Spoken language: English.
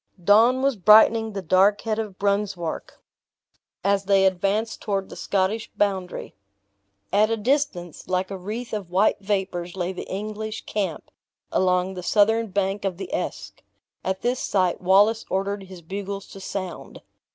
Dawn was brightening the dark head of Brunswark, as they advanced toward the Scottish boundary. At a distance, like a wreath of white vapors, lay the English camp, along the southern bank of the Esk. At this sight, Wallace ordered his bugles to sound.